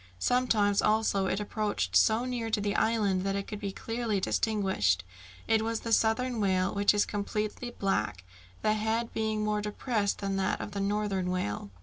Sometimes also it approached so near to the island that it could be clearly distinguished. It was the southern whale, which is completely black, the head being more depressed than that of the northern whale.